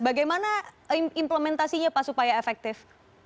bagaimana implementasinya pak supaya efektif